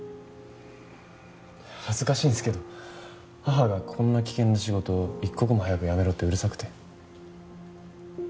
恥ずかしいんですけど母がこんな危険な仕事一刻も早く辞めろってうるさくて。